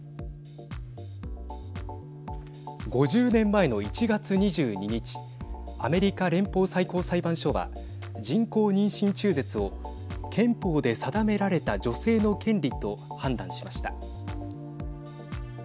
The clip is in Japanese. ５０年前の１月２２日アメリカ連邦最高裁判所は人工妊娠中絶を憲法で定められた女性の権利と判断しました。